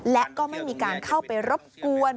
และก็ไม่มีการเข้าไปรบกวน